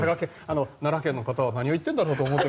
奈良県の方は何を言ってるんだろうって。